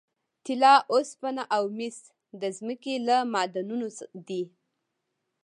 طلا، اوسپنه او مس د ځمکې له معادنو دي.